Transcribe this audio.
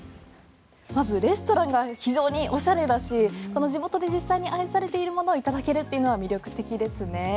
まずレストランが非常におしゃれだし地元で実際に愛されているものをいただけるっていうのは魅力的ですね。